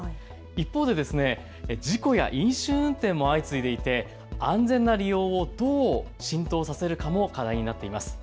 一方で事故や飲酒運転が相次いでいて、安全な利用をどう浸透させるかも課題になっています。